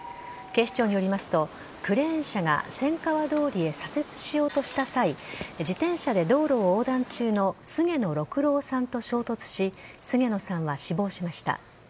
警視庁によりますと、クレーン車が千川通りへ左折しようとした際、自転車で道路を横断中の菅野六郎さんと衝突し、菅野さんは死亡しました。